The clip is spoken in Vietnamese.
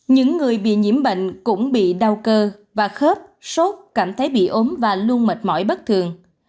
những người bị nhiễm bệnh cũng bị đau cơ và khớp sốt cảm thấy bị ốm và luôn mệt mỏi bất thường